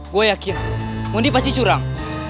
gue yakin mondi pasti curang